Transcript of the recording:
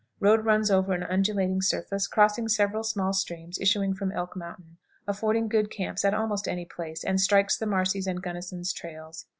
Road runs over an undulating surface, crossing several small streams issuing from Elk Mountain, affording good camps at almost any place, and strikes Marcy's and Gunnison's trails.